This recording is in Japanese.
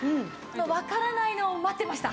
わからないのを待ってました！